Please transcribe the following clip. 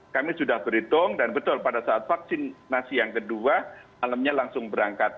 kami sudah berhitung dan betul pada saat vaksinasi yang kedua malamnya langsung berangkat